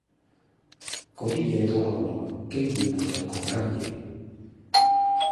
嗰啲嘢到後來經已沒有嗰家野